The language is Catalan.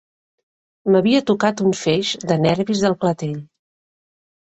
M'havia tocat un feix de nervis del clatell